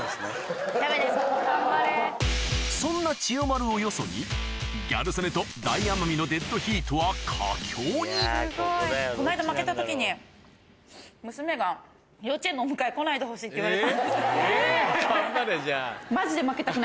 そんな千代丸をよそにギャル曽根と大奄美のデッドヒートは佳境に頑張れじゃあ。